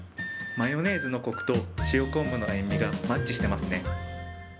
マヨネーズのこくと塩昆布の塩味がマッチしてますね。